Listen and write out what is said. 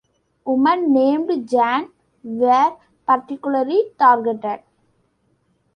Women named Jan were particularly targeted.